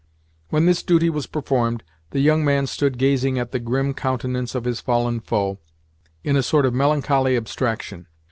When this duty was performed, the young man stood gazing at the grim countenance of his fallen foe, in a sort of melancholy abstraction.